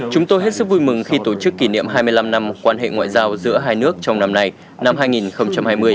chúng tôi hết sức vui mừng khi tổ chức kỷ niệm hai mươi năm năm quan hệ ngoại giao giữa hai nước trong năm nay năm hai nghìn hai mươi